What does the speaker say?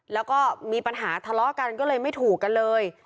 แล้วก็มีปัญหาทะเลาะกันก็เลยไม่ถูกกันเลย